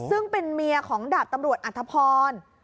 ซึ่งเป็นเมียของดาบตำรวจอัธพร